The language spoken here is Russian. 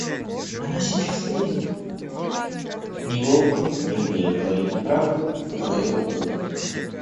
Она сейчас придет, — неловко, не умея говорить неправду, говорила Долли.